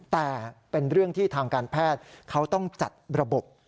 แต่เป็นเรื่องที่ทางการแพทย์เขาต้องจัดระบบ